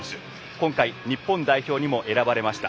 今回、日本代表にも選ばれました。